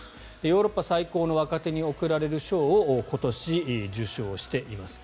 ヨーロッパ最高の若手に贈られる賞を今年、受賞しています。